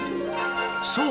そう！